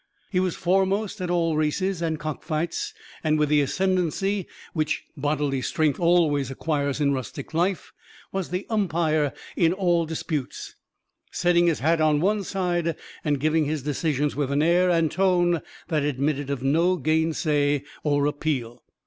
He was foremost at all races and cock fights, and with the ascendency which bodily strength always acquires in rustic life, was the umpire in all disputes, setting his hat on one side, and giving his decisions with an air and tone that admitted of no gainsay or appeal.